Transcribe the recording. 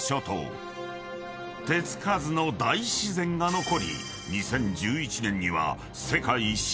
［手付かずの大自然が残り］